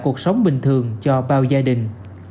cuộc sống bình thường cho bao gia đình